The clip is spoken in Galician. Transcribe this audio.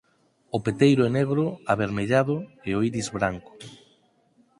O peteiro é negro avermellado e o iris branco.